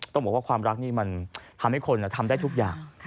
ต้องบอกว่าความรักนี่มันทำให้คนทำได้ทุกอย่าง